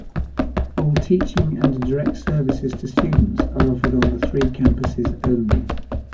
All teaching and direct services to students are offered on the three campuses only.